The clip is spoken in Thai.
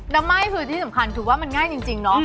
น้ำไหม้ภูติที่สำคัญถูกว่ามันง่ายจริงเนาะ